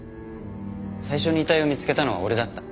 最初に遺体を見つけたのは俺だった。